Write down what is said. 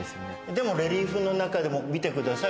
でもレリーフの中でも見てください